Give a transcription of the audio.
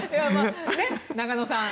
中野さん